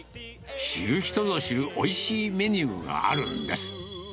知る人ぞ知るおいしいメニューがあるんです。